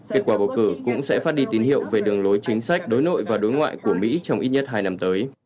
kết quả bầu cử cũng sẽ phát đi tín hiệu về đường lối chính sách đối nội và đối ngoại của mỹ trong ít nhất hai năm tới